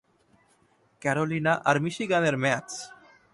Carolina আর মিশিগানের match.